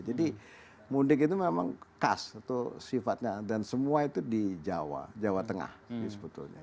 mudik itu memang khas atau sifatnya dan semua itu di jawa jawa tengah ini sebetulnya